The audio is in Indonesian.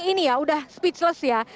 ini ya udah speechless ya